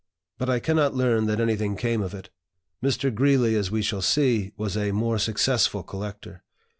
But I cannot learn that anything came of it. Mr. Greeley, as we shall see, was a more successful collector.